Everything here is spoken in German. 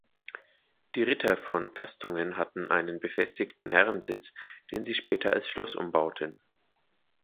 Die Ritter von Tastungen hatten einen befestigten Herrensitz, den sie später als Schloss umbauten.